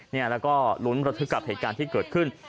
แล้วก็ลุ้นระทึกกับเหตุการณ์ที่เกิดขึ้น